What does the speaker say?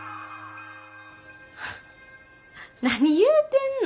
何言うてんの。